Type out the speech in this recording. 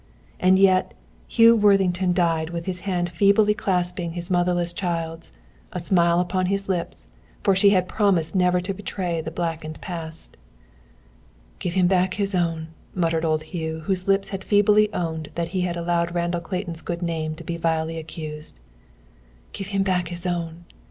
And yet Hugh Worthington died with his hand feebly clasping his motherless child's, a smile upon his lips, for she had promised never to betray the blackened past. "Give him back his own," muttered old Hugh, whose lips had feebly owned that he had allowed Randall Clayton's good name to be vilely accused. "Give him his own!"